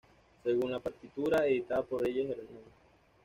Según la partitura editada por Breyer Hnos.